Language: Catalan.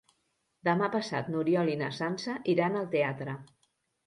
Demà passat n'Oriol i na Sança iran al teatre.